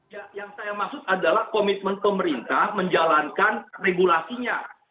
ya yang saya maksud adalah komitmen pemerintah menjalankan regulasinya